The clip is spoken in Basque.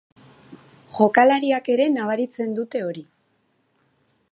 Jokalariak ere nabaritzen dute hori.